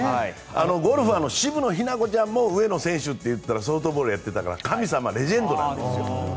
ゴルフの渋野日向子ちゃんも上野選手といったらソフトボールやってたから神様、レジェンドなんですよ。